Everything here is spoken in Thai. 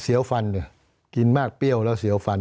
เสียวฟันเนี่ยกินมากเปรี้ยวแล้วเสียวฟัน